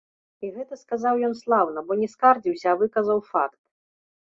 І гэта сказаў ён слаўна, бо не скардзіўся, а выказаў факт.